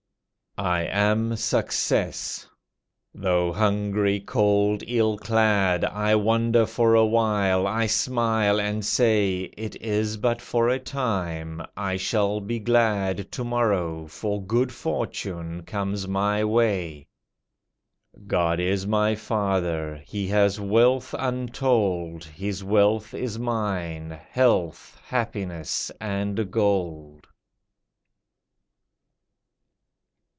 I am success. Though hungry, cold, ill clad, I wander for awhile, I smile and say, "It is but for a time—I shall be glad To morrow, for good fortune comes my way. God is my father, He has wealth untold, His wealth is mine, health, happiness, and gold."